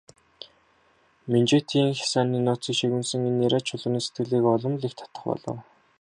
Минжээтийн хясааны нууцыг шивгэнэсэн энэ яриа Чулууны сэтгэлийг улам ч их татах болов.